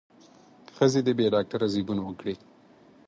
ښځې دې بې ډاکتره زېږون وکړي.